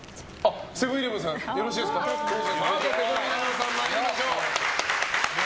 セブン‐イレブンさん参りましょう。